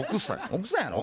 奥さんやの？